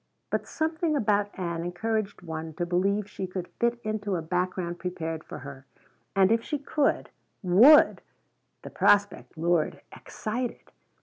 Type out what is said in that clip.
But something about Ann encouraged one to believe she could fit into a background prepared for her. And if she could would ! The prospect lured excited.